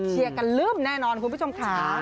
เชียร์กันลื้มแน่นอนคุณผู้ชมค่ะ